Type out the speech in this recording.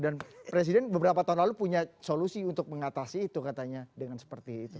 dan presiden beberapa tahun lalu punya solusi untuk mengatasi itu katanya dengan seperti itu